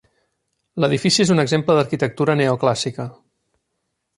L'edifici és un exemple d'arquitectura neoclàssica.